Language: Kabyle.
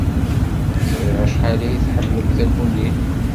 Ẓriɣ acḥal ay tḥemmlemt takunin.